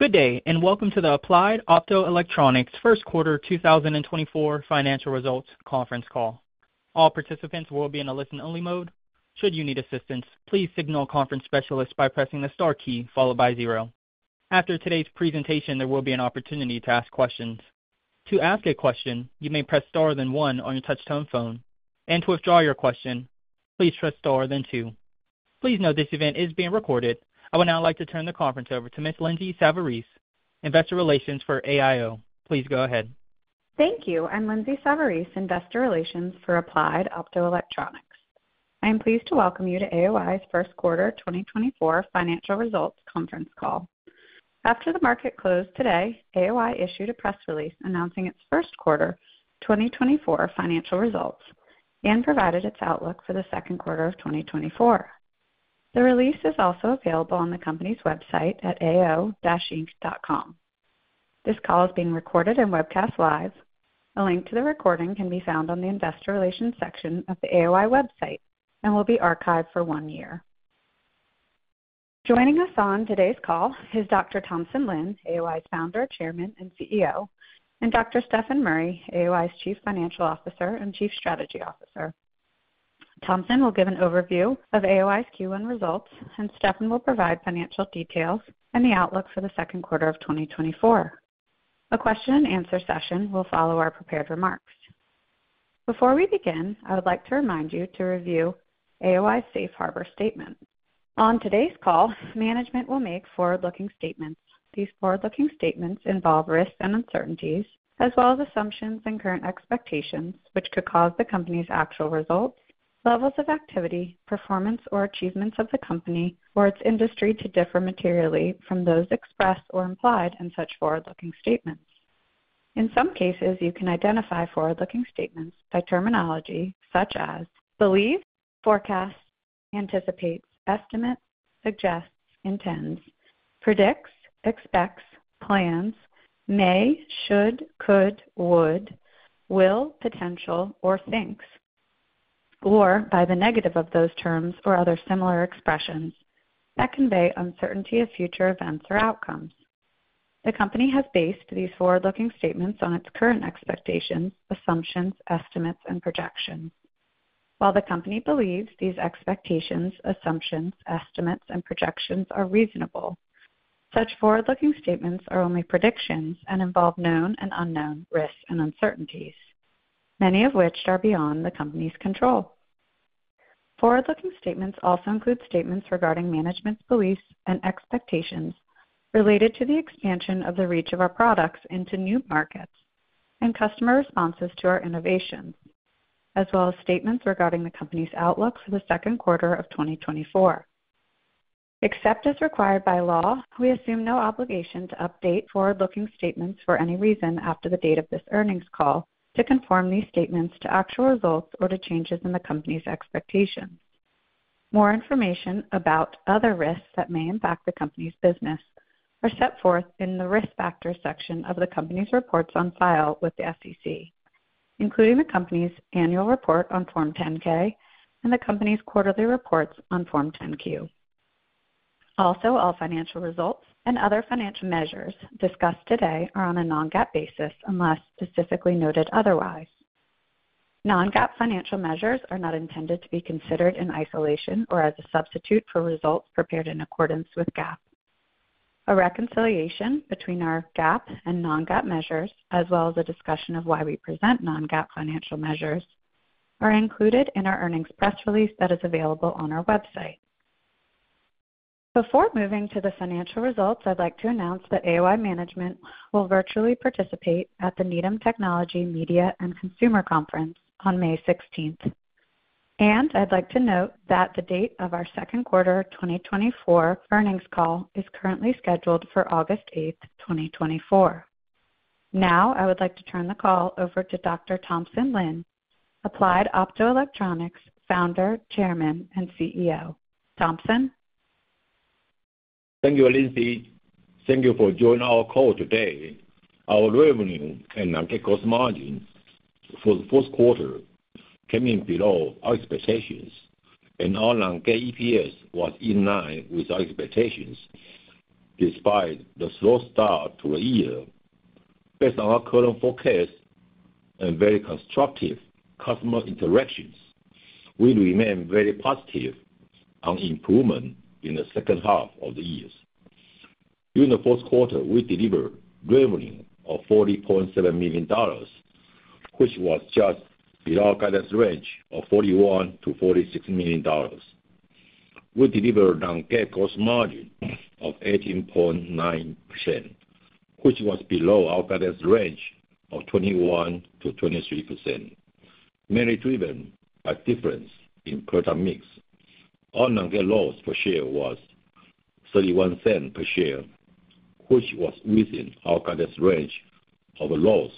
Good day, and welcome to the Applied Optoelectronics Q1 2024 financial results conference call. All participants will be in a listen-only mode. Should you need assistance, please signal a conference specialist by pressing the star key followed by zero. After today's presentation, there will be an opportunity to ask questions. To ask a question, you may press star then one on your touchtone phone, and to withdraw your question, please press star then two. Please note this event is being recorded. I would now like to turn the conference over to Ms. Lindsay Savarese, Investor Relations for AOI. Please go ahead. Thank you. I'm Lindsay Savarese, Investor Relations for Applied Optoelectronics. I am pleased to welcome you to AOI's Q1 2024 financial results conference call. After the market closed today, AOI issued a press release announcing its Q1 2024 financial results and provided its outlook for the Q2 of 2024. The release is also available on the company's website at ao-inc.com. This call is being recorded and webcast live. A link to the recording can be found on the investor relations section of the AOI website and will be archived for one year. Joining us on today's call is Dr. Thompson Lin, AOI's Founder, Chairman, and CEO, and Dr. Stefan Murry, AOI's Chief Financial Officer and Chief Strategy Officer. Thompson will give an overview of AOI's Q1 results, and Stefan will provide financial details and the outlook for the Q2 of 2024. A question-and-answer session will follow our prepared remarks. Before we begin, I would like to remind you to review AOI's Safe Harbor statement. On today's call, management will make forward-looking statements. These forward-looking statements involve risks and uncertainties, as well as assumptions and current expectations, which could cause the company's actual results, levels of activity, performance, or achievements of the company or its industry to differ materially from those expressed or implied in such forward-looking statements. In some cases, you can identify forward-looking statements by terminology such as believe, forecast, anticipate, estimate, suggests, intends, predicts, expects, plans, may, should, could, would, will, potential, or thinks, or by the negative of those terms or other similar expressions that convey uncertainty of future events or outcomes. The company has based these forward-looking statements on its current expectations, assumptions, estimates, and projections. While the company believes these expectations, assumptions, estimates, and projections are reasonable, such forward-looking statements are only predictions and involve known and unknown risks and uncertainties, many of which are beyond the company's control. Forward-looking statements also include statements regarding management's beliefs and expectations related to the expansion of the reach of our products into new markets and customer responses to our innovations, as well as statements regarding the company's outlook for the Q2 of 2024. Except as required by law, we assume no obligation to update forward-looking statements for any reason after the date of this earnings call to conform these statements to actual results or to changes in the company's expectations. More information about other risks that may impact the company's business are set forth in the Risk Factors section of the company's reports on file with the SEC, including the company's annual report on Form 10-K and the company's quarterly reports on Form 10-Q. Also, all financial results and other financial measures discussed today are on a non-GAAP basis, unless specifically noted otherwise. Non-GAAP financial measures are not intended to be considered in isolation or as a substitute for results prepared in accordance with GAAP. A reconciliation between our GAAP and non-GAAP measures, as well as a discussion of why we present non-GAAP financial measures, are included in our earnings press release that is available on our website. Before moving to the financial results, I'd like to announce that AOI management will virtually participate at the Needham Technology, Media, and Consumer Conference on May 16th. I'd like to note that the date of our Q2 2024 earnings call is currently scheduled for August 8, 2024. Now, I would like to turn the call over to Dr. Thompson Lin, Applied Optoelectronics founder, chairman, and CEO. Thompson? Thank you, Lindsay. Thank you for joining our call today. Our revenue and non-GAAP cost margin for the Q1 came in below our expectations, and our non-GAAP EPS was in line with our expectations, despite the slow start to the year. Based on our current forecast and very constructive customer interactions, we remain very positive on improvement in the H2 of the years. During the Q1, we delivered revenue of $40.7 million, which was just below our guidance range of $41 million-$46 million. We delivered non-GAAP cost margin of 18.9%, which was below our guidance range of 21%-23%, mainly driven by difference in product mix. Our non-GAAP loss per share was $0.31, which was within our guidance range of a loss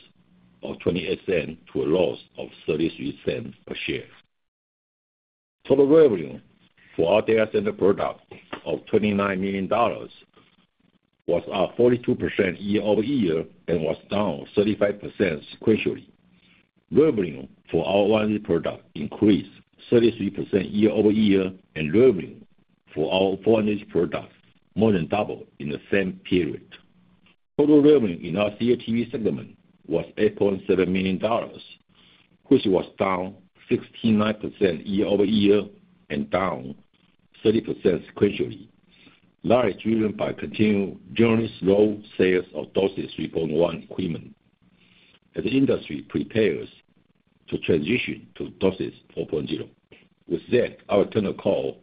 of $0.28-$0.33 per share. Total revenue for our data center product of $29 million was up 42% year-over-year and was down 35% sequentially. Revenue for our 800G product increased 33% year-over-year, and revenue for our 400G products more than doubled in the same period. Total revenue in our CATV segment was $8.7 million, which was down 69% year-over-year and down 30% sequentially, largely driven by continued generally slow sales of DOCSIS 3.1 equipment as the industry prepares to transition to DOCSIS 4.0. With that, I'll turn the call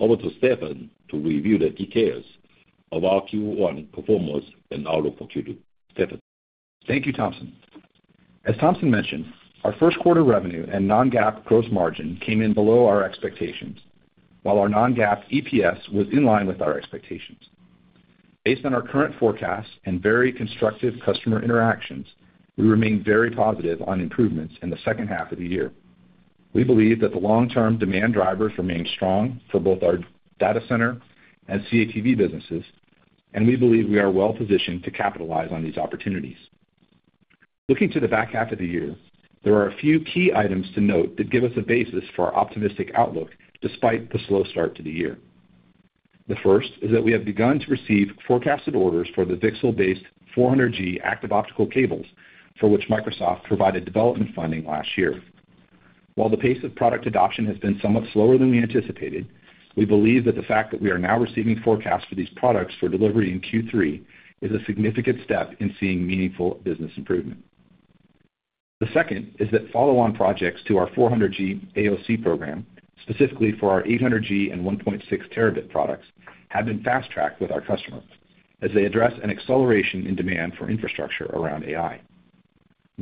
over to Stefan to review the details of our Q1 performance and outlook for Q2. Stefan? Thank you, Thompson. As Thompson mentioned, our Q1 revenue and non-GAAP gross margin came in below our expectations, while our non-GAAP EPS was in line with our expectations. Based on our current forecast and very constructive customer interactions, we remain very positive on improvements in the H2 of the year. We believe that the long-term demand drivers remain strong for both our data center and CATV businesses, and we believe we are well positioned to capitalize on these opportunities. Looking to the back half of the year, there are a few key items to note that give us a basis for our optimistic outlook despite the slow start to the year. The first is that we have begun to receive forecasted orders for the VCSEL based 400G active optical cables, for which Microsoft provided development funding last year. While the pace of product adoption has been somewhat slower than we anticipated, we believe that the fact that we are now receiving forecasts for these products for delivery in Q3 is a significant step in seeing meaningful business improvement. The second is that follow-on projects to our 400G AOC program, specifically for our 800G and 1.6T products, have been fast-tracked with our customers as they address an acceleration in demand for infrastructure around AI.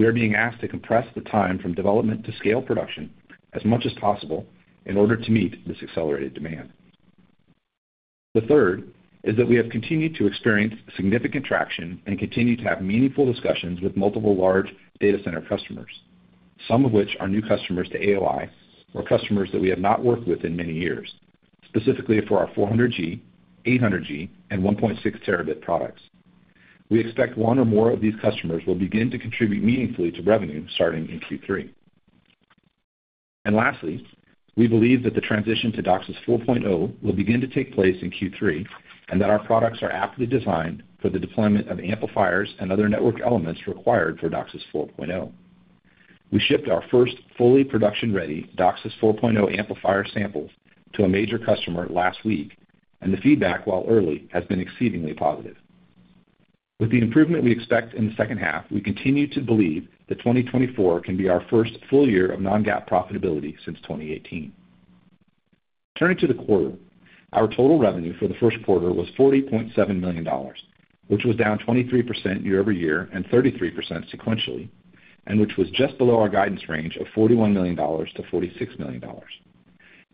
We are being asked to compress the time from development to scale production as much as possible in order to meet this accelerated demand. The third is that we have continued to experience significant traction and continue to have meaningful discussions with multiple large data center customers, some of which are new customers to AOI or customers that we have not worked with in many years, specifically for our 400G, 800G, and 1.6T products. We expect one or more of these customers will begin to contribute meaningfully to revenue starting in Q3. And lastly, we believe that the transition to DOCSIS 4.0 will begin to take place in Q3, and that our products are aptly designed for the deployment of amplifiers and other network elements required for DOCSIS 4.0. We shipped our first fully production-ready DOCSIS 4.0 amplifier samples to a major customer last week, and the feedback, while early, has been exceedingly positive. With the improvement we expect in the H2, we continue to believe that 2024 can be our first full year of non-GAAP profitability since 2018. Turning to the quarter, our total revenue for the Q1 was $40.7 million, which was down 23% year-over-year and 33% sequentially, and which was just below our guidance range of $41 million-$46 million.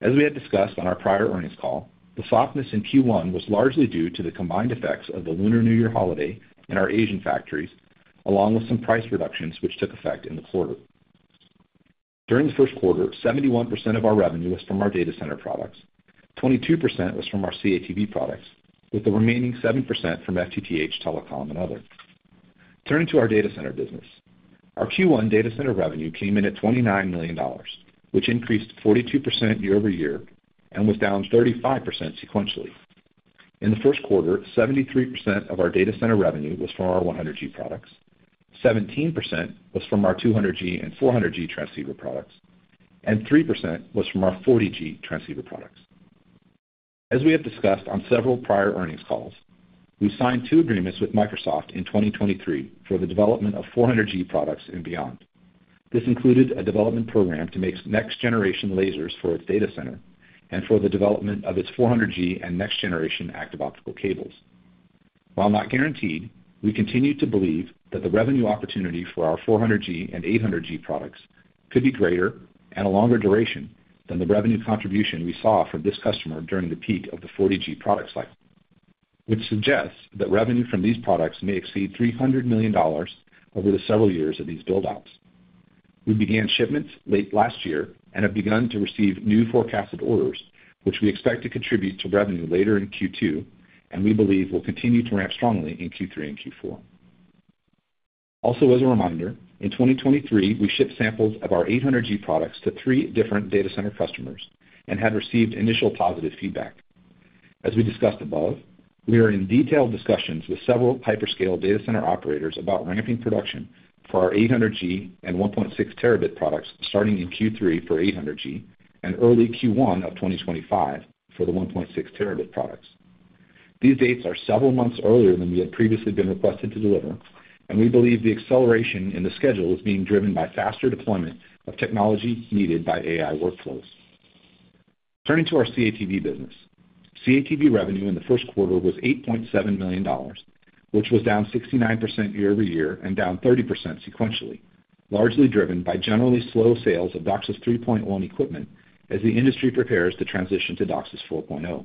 As we had discussed on our prior earnings call, the softness in Q1 was largely due to the combined effects of the Lunar New Year holiday in our Asian factories, along with some price reductions, which took effect in the quarter. During the Q1, 71% of our revenue was from our data center products, 22% was from our CATV products, with the remaining 7% from FTTH, telecom, and other. Turning to our data center business. Our Q1 data center revenue came in at $29 million, which increased 42% year-over-year and was down 35% sequentially. In the Q1, 73% of our data center revenue was from our 100G products, 17% was from our 200G and 400G transceiver products, and 3% was from our 40G transceiver products. As we have discussed on several prior earnings calls, we signed two agreements with Microsoft in 2023 for the development of 400G products and beyond. This included a development program to make next-generation lasers for its data center and for the development of its 400G and next-generation active optical cables. While not guaranteed, we continue to believe that the revenue opportunity for our 400G and 800G products could be greater and a longer duration than the revenue contribution we saw from this customer during the peak of the 40G product cycle, which suggests that revenue from these products may exceed $300 million over the several years of these build-outs. We began shipments late last year and have begun to receive new forecasted orders, which we expect to contribute to revenue later in Q2 and we believe will continue to ramp strongly in Q3 and Q4. Also, as a reminder, in 2023, we shipped samples of our 800G products to three different data center customers and have received initial positive feedback. As we discussed above, we are in detailed discussions with several hyperscale data center operators about ramping production for our 800G and 1.6T products starting in Q3 for 800G and early Q1 of 2025 for the 1.6T products. These dates are several months earlier than we had previously been requested to deliver, and we believe the acceleration in the schedule is being driven by faster deployment of technology needed by AI workflows. Turning to our CATV business. CATV revenue in the Q1 was $8.7 million, which was down 69% year-over-year and down 30% sequentially, largely driven by generally slow sales of DOCSIS 3.1 equipment as the industry prepares to transition to DOCSIS 4.0.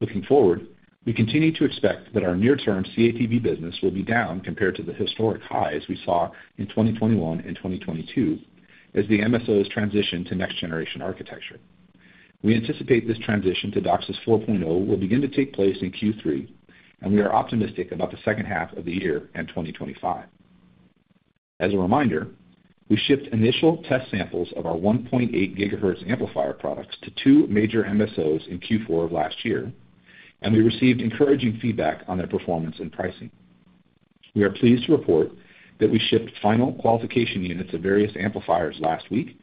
Looking forward, we continue to expect that our near-term CATV business will be down compared to the historic highs we saw in 2021 and 2022, as the MSOs transition to next-generation architecture. We anticipate this transition to DOCSIS 4.0 will begin to take place in Q3, and we are optimistic about the H2 of the year and 2025. As a reminder, we shipped initial test samples of our 1.8 GHz amplifier products to two major MSOs in Q4 of last year, and we received encouraging feedback on their performance and pricing. We are pleased to report that we shipped final qualification units of various amplifiers last week,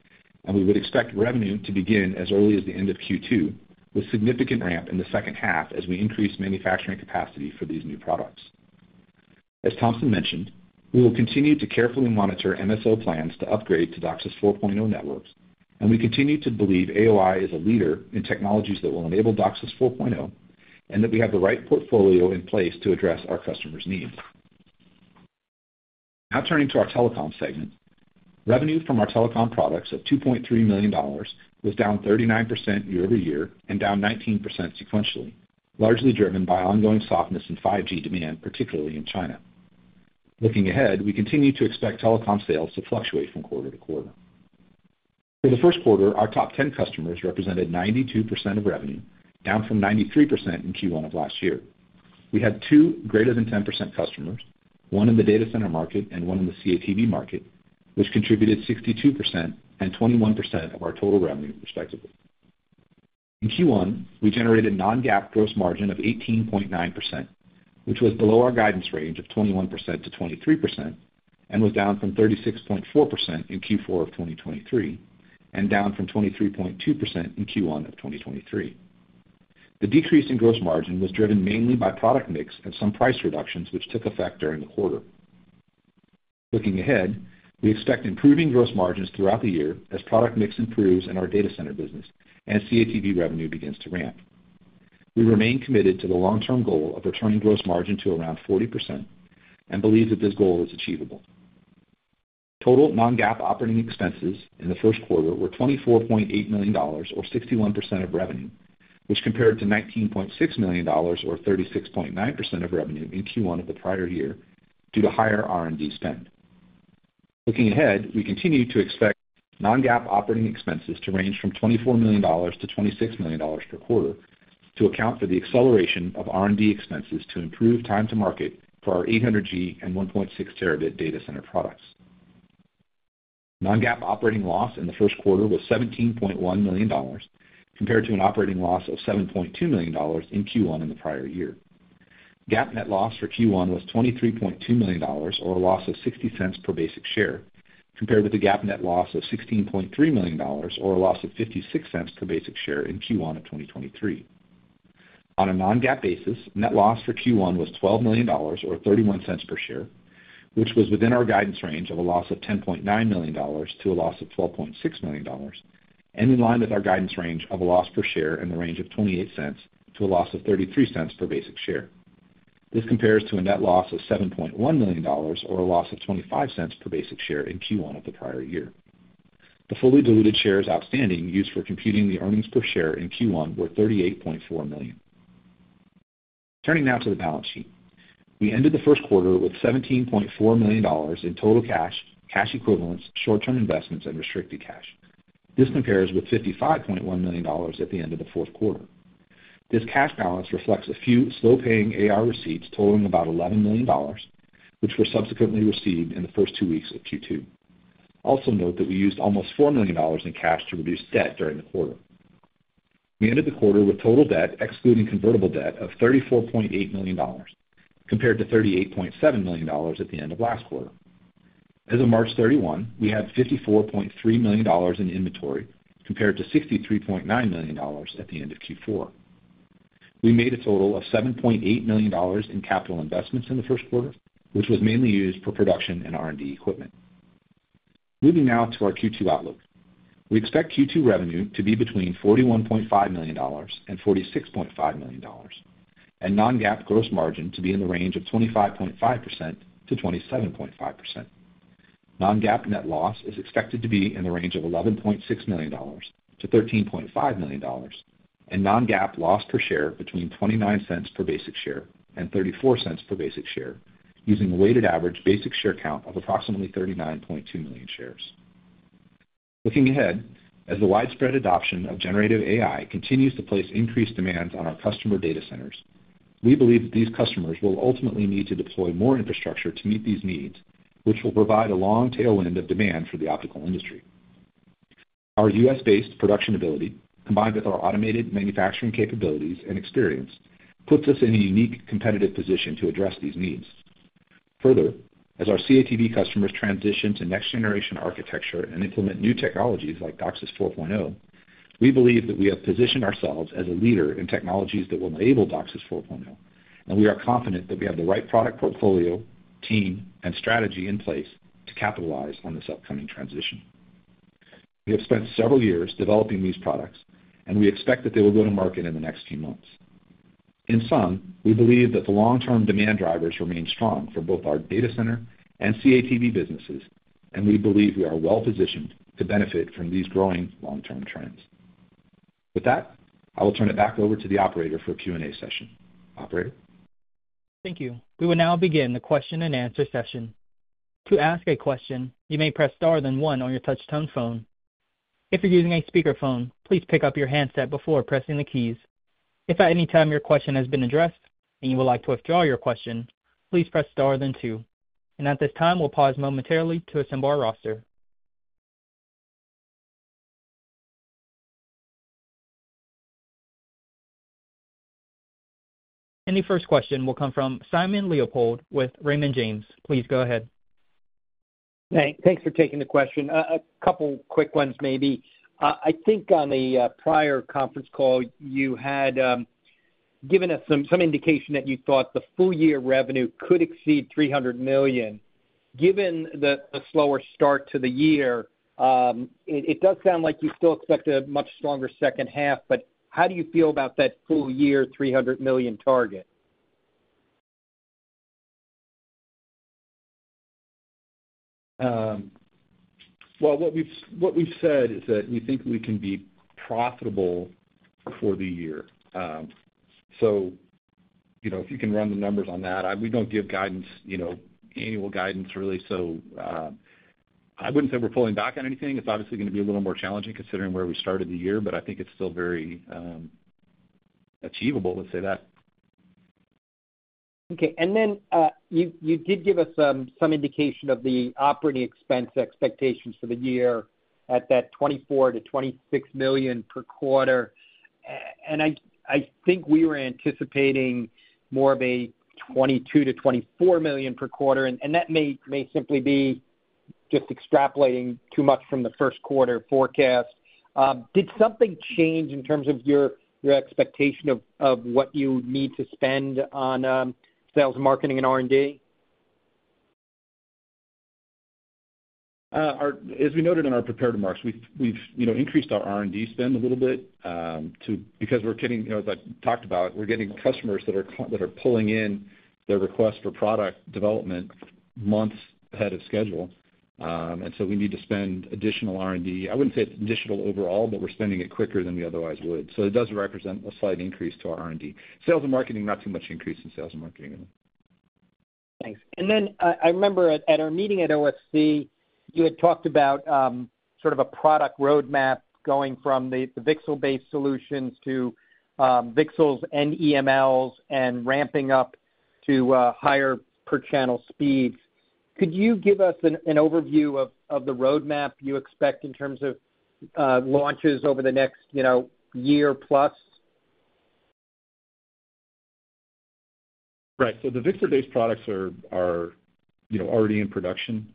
and we would expect revenue to begin as early as the end of Q2, with significant ramp in the H2 as we increase manufacturing capacity for these new products. As Thompson mentioned, we will continue to carefully monitor MSO plans to upgrade to DOCSIS 4.0 networks, and we continue to believe AOI is a leader in technologies that will enable DOCSIS 4.0, and that we have the right portfolio in place to address our customers' needs. Now turning to our telecom segment. Revenue from our telecom products of $2.3 million was down 39% year-over-year and down 19% sequentially, largely driven by ongoing softness in 5G demand, particularly in China. Looking ahead, we continue to expect telecom sales to fluctuate from quarter to quarter. For the Q1, our top 10 customers represented 92% of revenue, down from 93% in Q1 of last year. We had two greater than 10% customers, one in the data center market and one in the CATV market, which contributed 62% and 21% of our total revenue, respectively. In Q1, we generated non-GAAP gross margin of 18.9%, which was below our guidance range of 21%-23% and was down from 36.4% in Q4 of 2023, and down from 23.2% in Q1 of 2023. The decrease in gross margin was driven mainly by product mix and some price reductions, which took effect during the quarter. Looking ahead, we expect improving gross margins throughout the year as product mix improves in our data center business and CATV revenue begins to ramp. We remain committed to the long-term goal of returning gross margin to around 40% and believe that this goal is achievable. Total non-GAAP operating expenses in the Q1 were $24.8 million, or 61% of revenue, which compared to $19.6 million, or 36.9% of revenue in Q1 of the prior year, due to higher R&D spend. Looking ahead, we continue to expect non-GAAP operating expenses to range from $24 million-$26 million per quarter to account for the acceleration of R&D expenses to improve time to market for our 800G and 1.6T data center products. Non-GAAP operating loss in the Q1 was $17.1 million, compared to an operating loss of $7.2 million in Q1 in the prior year. GAAP net loss for Q1 was $23.2 million, or a loss of $0.60 per basic share, compared with the GAAP net loss of $16.3 million, or a loss of $0.56 per basic share in Q1 of 2023. On a non-GAAP basis, net loss for Q1 was $12 million, or $0.31 per share, which was within our guidance range of a loss of $10.9 million-$12.6 million, and in line with our guidance range of a loss per share in the range of $0.28 to a loss of $0.33 per basic share. This compares to a net loss of $7.1 million, or a loss of $0.25 per basic share in Q1 of the prior year. The fully diluted shares outstanding used for computing the earnings per share in Q1 were 38.4 million. Turning now to the balance sheet. We ended the Q1 with $17.4 million in total cash, cash equivalents, short-term investments, and restricted cash. This compares with $55.1 million at the end of the Q4. This cash balance reflects a few slow-paying AR receipts totaling about $11 million, which were subsequently received in the first two weeks of Q2. Also note that we used almost $4 million in cash to reduce debt during the quarter. We ended the quarter with total debt, excluding convertible debt, of $34.8 million, compared to $38.7 million at the end of last quarter. As of March 31, we had $54.3 million in inventory, compared to $63.9 million at the end of Q4. We made a total of $7.8 million in capital investments in the Q1, which was mainly used for production and R&D equipment. Moving now to our Q2 outlook. We expect Q2 revenue to be between $41.5 million and $46.5 million, and non-GAAP gross margin to be in the range of 25.5%-27.5%. Non-GAAP net loss is expected to be in the range of $11.6 million-$13.5 million, and non-GAAP loss per share between $0.29 and $0.34 per basic share, using a weighted average basic share count of approximately 39.2 million shares. Looking ahead, as the widespread adoption of generative AI continues to place increased demands on our customer data centers, we believe that these customers will ultimately need to deploy more infrastructure to meet these needs, which will provide a long tailwind of demand for the optical industry. Our U.S.-based production ability, combined with our automated manufacturing capabilities and experience, puts us in a unique competitive position to address these needs. Further, as our CATV customers transition to next-generation architecture and implement new technologies like DOCSIS 4.0, we believe that we have positioned ourselves as a leader in technologies that will enable DOCSIS 4.0, and we are confident that we have the right product portfolio, team, and strategy in place to capitalize on this upcoming transition. We have spent several years developing these products, and we expect that they will go to market in the next few months. In sum, we believe that the long-term demand drivers remain strong for both our data center and CATV businesses, and we believe we are well positioned to benefit from these growing long-term trends. With that, I will turn it back over to the operator for a Q&A session. Operator? Thank you. We will now begin the question-and-answer session. To ask a question, you may press star, then one on your touch-tone phone. If you're using a speakerphone, please pick up your handset before pressing the keys. If at any time your question has been addressed and you would like to withdraw your question, please press star, then two. And at this time, we'll pause momentarily to assemble our roster. And the first question will come from Simon Leopold with Raymond James. Please go ahead. Hey, thanks for taking the question. A couple quick ones, maybe. I think on the prior conference call, you had given us some indication that you thought the full year revenue could exceed $300 million. Given the slower start to the year, it does sound like you still expect a much stronger H2, but how do you feel about that full year $300 million target? Well, what we've said is that we think we can be profitable for the year. So, you know, if you can run the numbers on that, I—we don't give guidance, you know, annual guidance, really. So, I wouldn't say we're pulling back on anything. It's obviously gonna be a little more challenging considering where we started the year, but I think it's still very, achievable, let's say that. Okay. And then, you did give us some indication of the operating expense expectations for the year at that $24 million-$26 million per quarter. And I think we were anticipating more of a $22 million-$24 million per quarter, and that may simply be just extrapolating too much from the Q1 forecast. Did something change in terms of your expectation of what you need to spend on sales, marketing, and R&D? As we noted in our prepared remarks, we've you know increased our R&D spend a little bit, because we're getting, you know, as I talked about, we're getting customers that are pulling in their request for product development months ahead of schedule. And so we need to spend additional R&D. I wouldn't say it's additional overall, but we're spending it quicker than we otherwise would. So it does represent a slight increase to our R&D. Sales and marketing, not too much increase in sales and marketing. Thanks. Then, I remember at our meeting at OFC, you had talked about sort of a product roadmap going from the VCSEL based solutions to VCSELs and EMLs and ramping up to higher per-channel speeds. Could you give us an overview of the roadmap you expect in terms of launches over the next, you know, year plus? Right. So the VCSEL based products are, you know, already in production.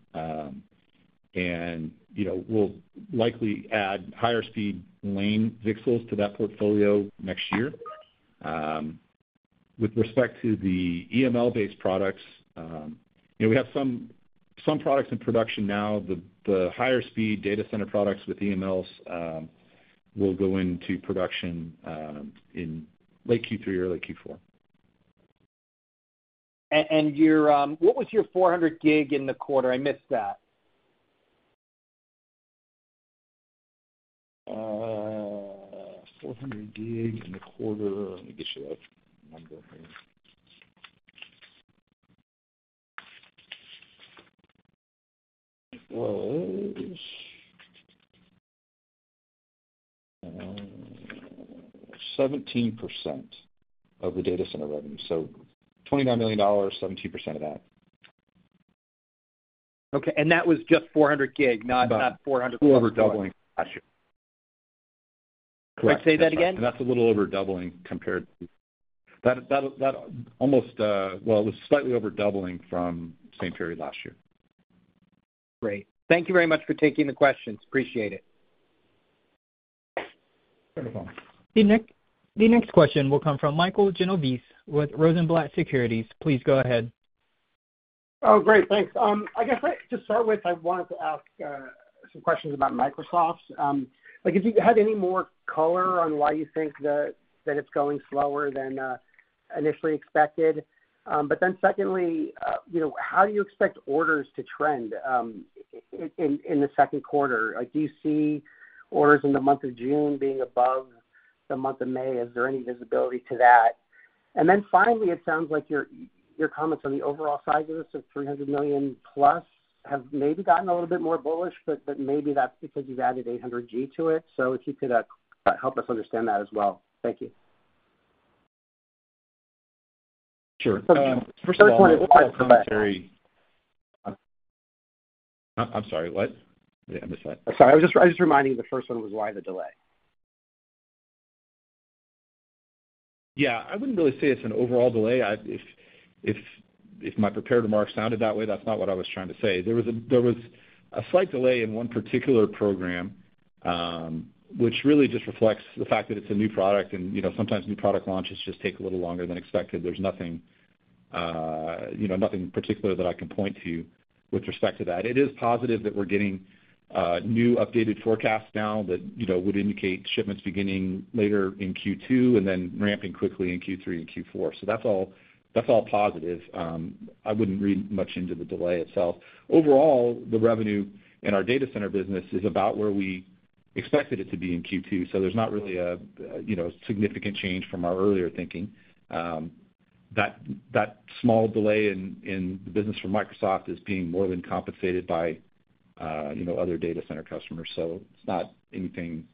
And, you know, we'll likely add higher speed lane VCSELs to that portfolio next year. With respect to the EML based products, you know, we have some products in production now. The higher speed data center products with EMLs will go into production in late Q3 or late Q4. And what was your 400G in the quarter? I missed that. 400G in the quarter. Let me get you that number here. It was 17% of the data center revenue, so $29 million, 17% of that. Okay, and that was just 400G, not, not 400- 400 doubling last year. Wait, say that again? And that's a little over doubling compared to... Well, it was slightly over doubling from the same period last year. Great. Thank you very much for taking the questions. Appreciate it. Thanks a lot. The next question will come from Michael Genovese with Rosenblatt Securities. Please go ahead. Oh, great! Thanks. I guess to start with, I wanted to ask some questions about Microsoft. Like, if you had any more color on why you think that it's going slower than initially expected. But then secondly, you know, how do you expect orders to trend in the Q2? Like, do you see orders in the month of June being above the month of May? Is there any visibility to that? And then finally, it sounds like your comments on the overall size of this $300 million plus have maybe gotten a little bit more bullish, but maybe that's because you've added 800G to it. So if you could help us understand that as well. Thank you. Sure. First one is- I'm sorry, what? I missed that. Sorry, I was just reminding you, the first one was why the delay. Yeah, I wouldn't really say it's an overall delay. If my prepared remarks sounded that way, that's not what I was trying to say. There was a slight delay in one particular program, which really just reflects the fact that it's a new product, and, you know, sometimes new product launches just take a little longer than expected. There's nothing, you know, nothing particular that I can point to with respect to that. It is positive that we're getting new updated forecasts now that, you know, would indicate shipments beginning later in Q2, and then ramping quickly in Q3 and Q4. So that's all, that's all positive. I wouldn't read much into the delay itself. Overall, the revenue in our data center business is about where we expected it to be in Q2. So there's not really a, you know, significant change from our earlier thinking. That small delay in the business from Microsoft is being more than compensated by, you know, other data center customers. So it's not anything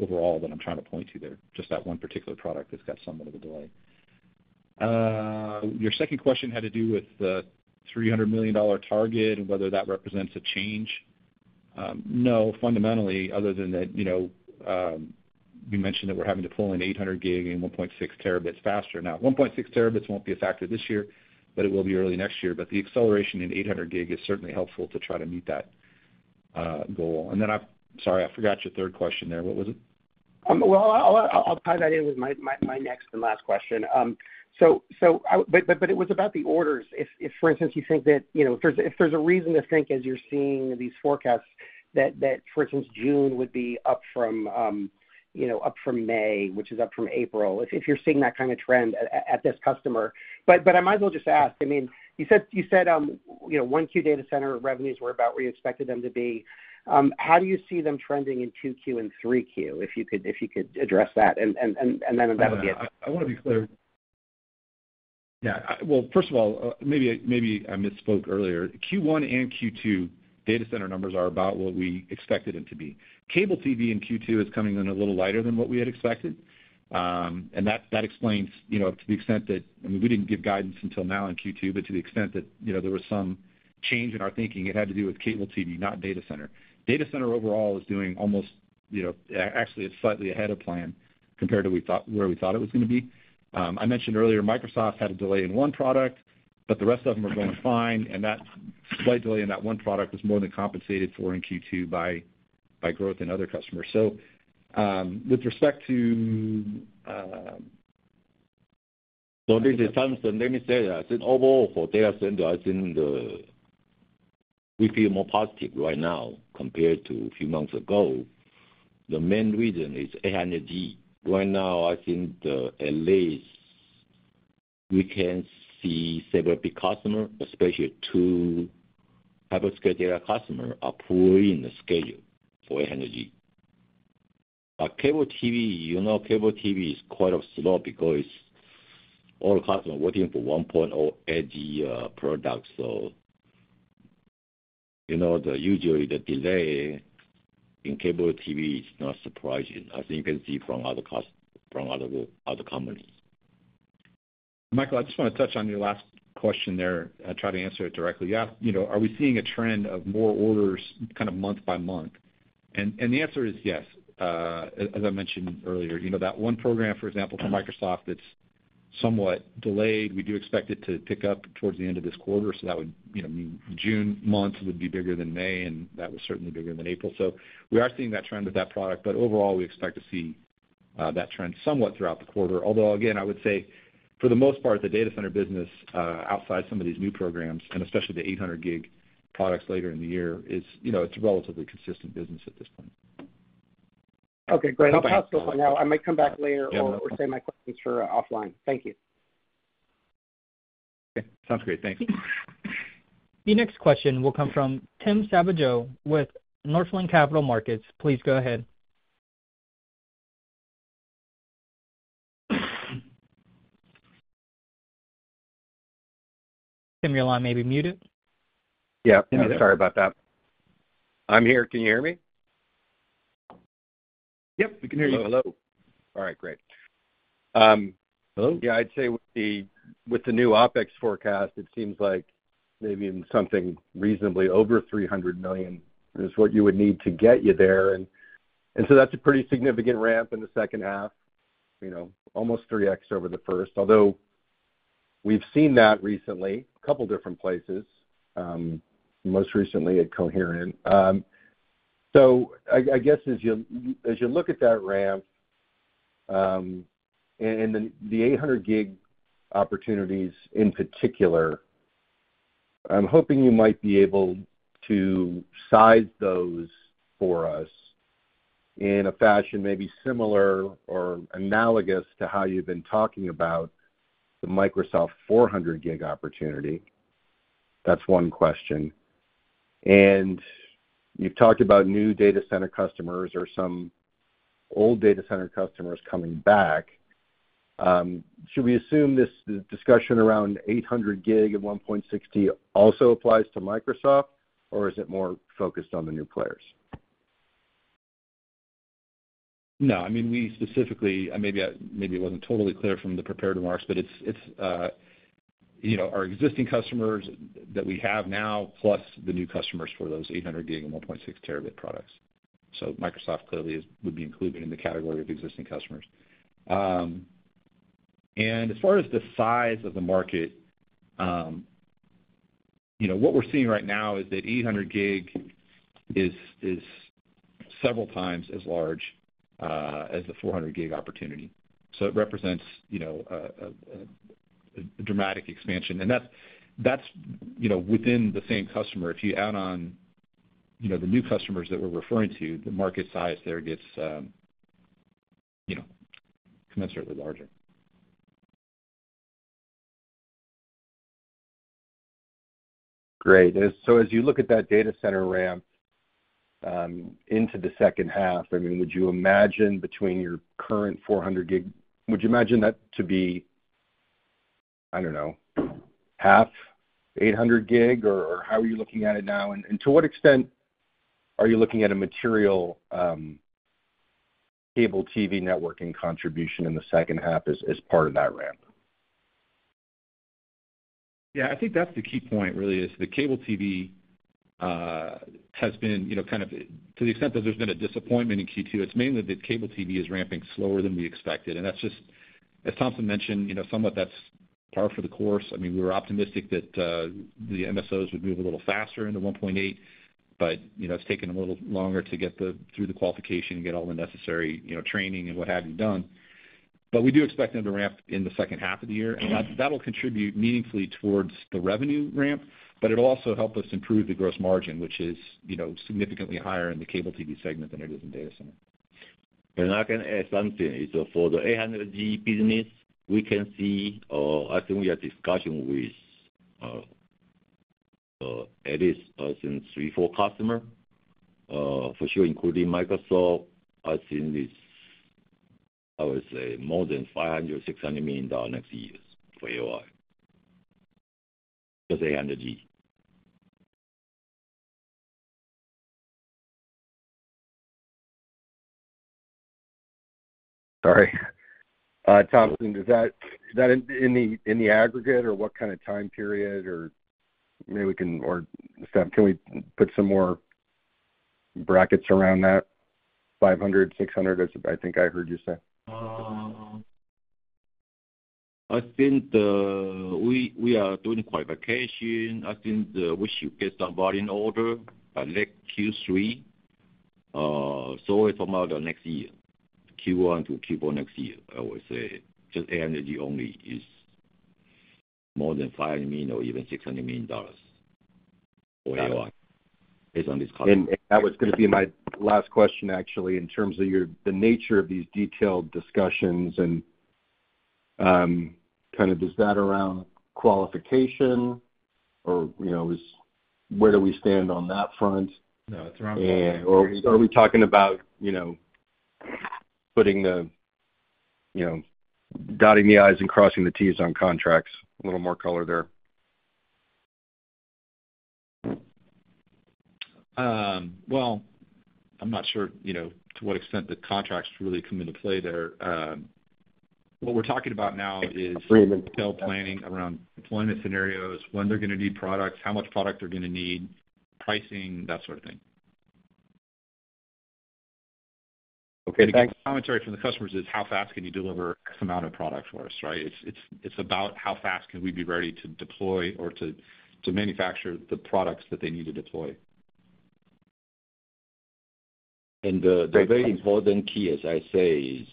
overall that I'm trying to point to there, just that one particular product that's got somewhat of a delay. Your second question had to do with the $300 million target and whether that represents a change. No, fundamentally, other than that, you know, we mentioned that we're having to pull in 800G and 1.6T faster. Now, 1.6T won't be a factor this year, but it will be early next year. But the acceleration in 800G is certainly helpful to try to meet that goal. And then, sorry, I forgot your third question there. What was it? Well, I'll tie that in with my next and last question. So, it was about the orders. If, for instance, you think that, you know, if there's a reason to think as you're seeing these forecasts, that, for instance, June would be up from, you know, up from May, which is up from April, if you're seeing that kind of trend at this customer. But I might as well just ask, I mean, you said, you know, 1Q data center revenues were about where you expected them to be. How do you see them trending in Q2 and 3Q, if you could address that, and then that would be it. I wanna be clear. Yeah, well, first of all, maybe I misspoke earlier. Q1 and Q2 data center numbers are about what we expected them to be. Cable TV in Q2 is coming in a little lighter than what we had expected. And that explains, you know, to the extent that, I mean, we didn't give guidance until now in Q2, but to the extent that, you know, there was some change in our thinking, it had to do with Cable TV, not data center. Data center overall is doing almost, you know, actually, it's slightly ahead of plan compared to where we thought it was gonna be. I mentioned earlier, Microsoft had a delay in one product, but the rest of them are going fine, and that slight delay in that one product was more than compensated for in Q2 by growth in other customers. So, with respect to, So this is Thompson. Let me say, as in overall for data center, I think we feel more positive right now compared to a few months ago. The main reason is 800G. Right now, I think at least we can see several big customer, especially two hyperscaler customer, are pulling the schedule for 800G. But Cable TV, you know, Cable TV is quite slow because all the customers are waiting for 1.0 AG product. So, you know, the usual delay in Cable TV is not surprising, as you can see from other companies. Michael, I just wanna touch on your last question there and try to answer it directly. Yeah, you know, are we seeing a trend of more orders kind of month by month? And the answer is yes. As I mentioned earlier, you know, that one program, for example, from Microsoft, that's somewhat delayed. We do expect it to pick up towards the end of this quarter, so that would, you know, mean June months would be bigger than May, and that was certainly bigger than April. So we are seeing that trend with that product, but overall, we expect to see that trend somewhat throughout the quarter. Although, again, I would say, for the most part, the data center business, outside some of these new programs, and especially the 800G products later in the year, is, you know, it's a relatively consistent business at this point. Okay, great. I'll pause for now. I might come back later or send my questions for offline. Thank you. Okay, sounds great. Thanks. The next question will come from Tim Savageaux with Northland Capital Markets. Please go ahead. Tim, your line may be muted. Yeah, sorry about that. I'm here. Can you hear me? Yep, we can hear you. Hello, hello. All right, great. Hello? Yeah, I'd say with the new OpEx forecast, it seems like maybe something reasonably over $300 million is what you would need to get you there. And so that's a pretty significant ramp in the H2, you know, almost 3x over the first, although we've seen that recently, a couple different places, most recently at Coherent. So I guess as you look at that ramp, and then the 800G opportunities in particular, I'm hoping you might be able to size those for us in a fashion maybe similar or analogous to how you've been talking about the Microsoft 400G opportunity. That's one question. And you've talked about new data center customers or some old data center customers coming back. Should we assume this discussion around 800G and 1.6T also applies to Microsoft, or is it more focused on the new players? No, I mean, we specifically, maybe I, maybe I wasn't totally clear from the prepared remarks, but it's, it's, you know, our existing customers that we have now, plus the new customers for those 800G and 1.6T products. So Microsoft clearly is, would be included in the category of existing customers. And as far as the size of the market, you know, what we're seeing right now is that 800G is, is several times as large, as the 400G opportunity. So it represents, you know, a dramatic expansion, and that's, that's, you know, within the same customer. If you add on, you know, the new customers that we're referring to, the market size there gets, you know, commensurately larger.... Great. And so as you look at that data center ramp, into the H2, I mean, would you imagine between your current 400G, would you imagine that to be, I don't know, half 800G? Or, or how are you looking at it now? And, and to what extent are you looking at a material, cable TV networking contribution in the H2 as, as part of that ramp? Yeah, I think that's the key point, really, is the cable TV has been, you know, kind of to the extent that there's been a disappointment in Q2, it's mainly that cable TV is ramping slower than we expected. And that's just, as Thompson mentioned, you know, somewhat that's par for the course. I mean, we were optimistic that the MSOs would move a little faster into 1.8, but, you know, it's taken them a little longer to get through the qualification and get all the necessary, you know, training and what have you done. But we do expect them to ramp in the H2 of the year, and that, that will contribute meaningfully towards the revenue ramp, but it'll also help us improve the gross margin, which is, you know, significantly higher in the Cable TV segment than it is in data center. I can add something. It's for the 800G business, we can see, I think we are discussing with at least I think three, four customers, for sure, including Microsoft. I think it's, I would say more than $500 million-$600 million next years for AI. Just 800G. Sorry. Thompson, is that, is that in the, in the aggregate, or what kind of time period, or maybe we can, Sam, can we put some more brackets around that $500-$600, as I think I heard you say? I think we are doing qualification. I think we should get some volume order by next Q3. So it's about the next year, Q1 to Q4 next year, I would say, just 800G only is more than $500 million or even $600 million for AI, based on this customer. That was going to be my last question, actually, in terms of the nature of these detailed discussions and, kind of, is that around qualification or, you know, where do we stand on that front? No, it's around- Or are we talking about, you know, putting the, you know, dotting the I's and crossing the T's on contracts, a little more color there? Well, I'm not sure, you know, to what extent the contracts really come into play there. What we're talking about now is detailed planning around deployment scenarios, when they're going to need products, how much product they're going to need, pricing, that sort of thing. Okay, thanks. Commentary from the customers is how fast can you deliver X amount of product for us, right? It's, it's, it's about how fast can we be ready to deploy or to, to manufacture the products that they need to deploy. The very important key, as I say, is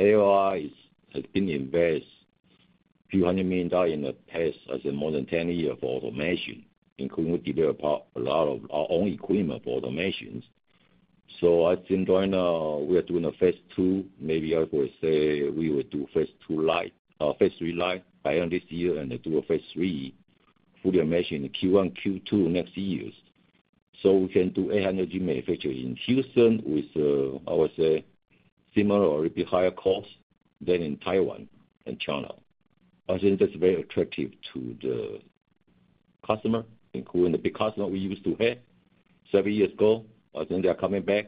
AOI has invested a few hundred million dollars in the past, as in more than 10 years for automation, including we develop a lot of our own equipment for automation. So I think right now we are doing aphase II. Maybe I would say we will dophase II light, phase III light by end this year and do aphase III full automation Q1, Q2 next years. So we can do 800G manufacturing in Houston with, I would say, similar or a bit higher cost than in Taiwan and China. I think that's very attractive to the customer, including the big customer we used to have seven years ago, I think they are coming back.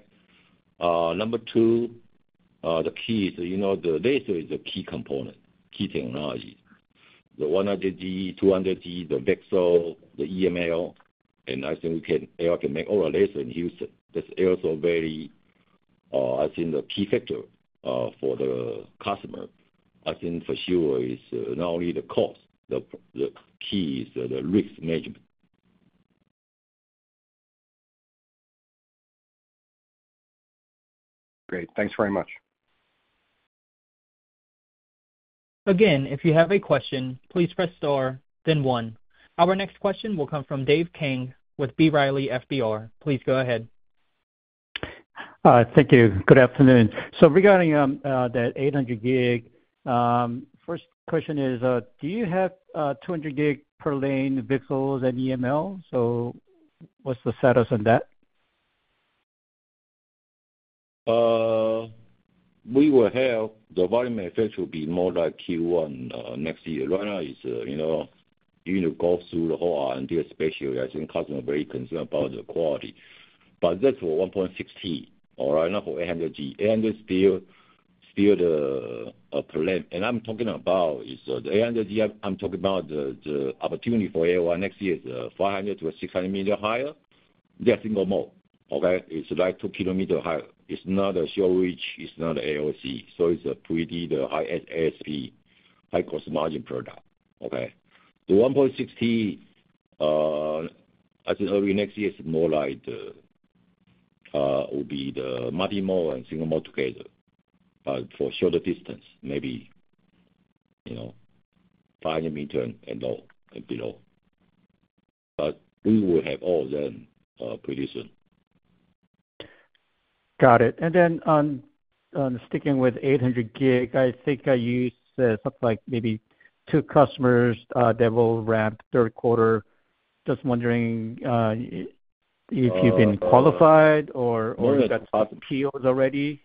Number two, the key is, you know, the laser is a key component, key technology. The 100G, 200G, the VCSEL, the EML, and I think we can make all our lasers in Houston. That's also very, I think the key factor, for the customer, I think for sure is not only the cost, the, the key is the risk management. Great. Thanks very much. Again, if you have a question, please press star, then one. Our next question will come from Dave Kang with B. Riley FBR. Please go ahead. Thank you. Good afternoon. Regarding that 800G, first question is, do you have 200G per lane, VCSELs and EML? What's the status on that? We will have the volume effect will be more like Q1 next year. Right now is, you know, you need to go through the whole R&D, especially as the customer is very concerned about the quality. But that's for 1.6T or not for 800G. 800G is still, still the per lane. And I'm talking about is the 800G, I'm talking about the opportunity for AI next year is $500 million-$600 million higher. They're single-mode, okay? It's like 2 kilometer higher. It's not a short reach, it's not AOC, so it's a pretty, the high ASP, high cost margin product, okay? The 1.6T, I think next year is more like the will be the multi-mode and single mode together, but for shorter distance, maybe, you know, 500 meter and low, and below. But we will have all of them, pretty soon. Got it. And then on sticking with 800G, I think I used something like maybe two customers that will ramp Q3. Just wondering if you've been qualified or you got POs already?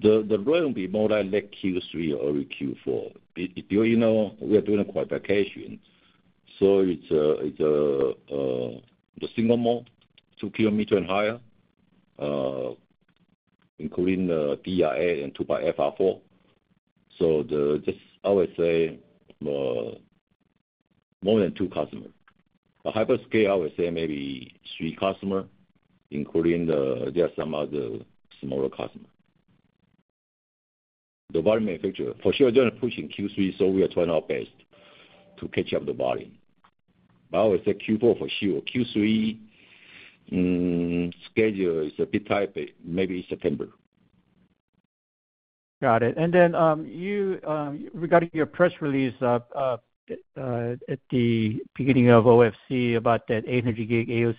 The ramp will be more like late Q3 or early Q4. But, you know, we are doing a qualification, so it's the single mode, 2 kilometer and higher, including the DR4 and 2x FR4. So, just I would say more than 2 customers. A hyperscaler, I would say maybe 3 customer, including, there are some other smaller customer. The volume manufacturer, for sure, they're pushing Q3, so we are trying our best to catch up the volume. But I would say Q4 for sure. Q3 schedule is a bit tight, but maybe September. Got it. And then, you, regarding your press release, at the beginning of OFC about that 800G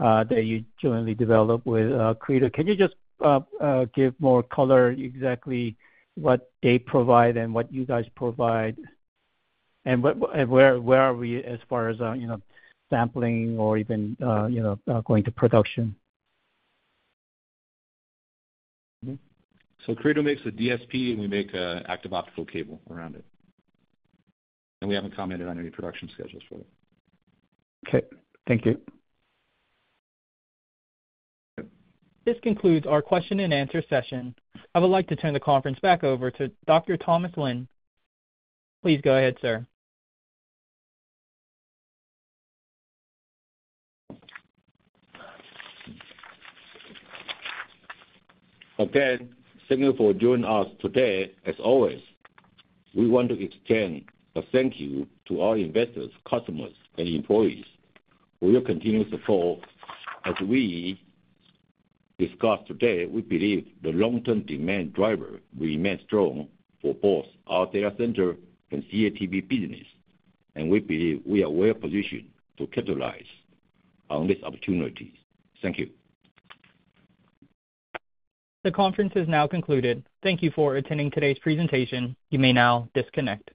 AOC, that you jointly developed with, Credo. Can you just, give more color exactly what they provide and what you guys provide? And what, and where, where are we as far as, you know, sampling or even, you know, going to production? Credo makes a DSP, and we make an active optical cable around it. We haven't commented on any production schedules for it. Okay, thank you. This concludes our question and answer session. I would like to turn the conference back over to Dr. Thompson Lin. Please go ahead, sir. Again, thank you for joining us today. As always, we want to extend a thank you to all investors, customers, and employees for your continuous support. As we discussed today, we believe the long-term demand driver will remain strong for both our data center and CATV business, and we believe we are well positioned to capitalize on these opportunities. Thank you. The conference is now concluded. Thank you for attending today's presentation. You may now disconnect.